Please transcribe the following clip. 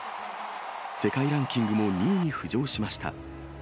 世界ランキングも２位に浮上しました。